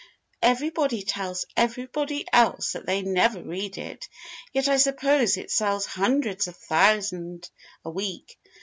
"Everybody tells everybody else that they never read it. Yet I suppose it sells hundreds of thousand a week.